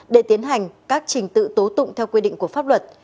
để tiến hành các trình tự tố tụng theo quy định của pháp luật